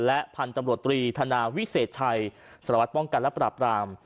และพันธุ์ตำรวจตรีธนาวิเศษชัยสารวัตรป้องกันและปราบราม